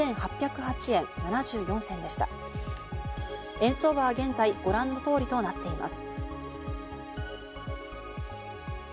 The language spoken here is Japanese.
円相場は現在、ご覧の通りとなっています。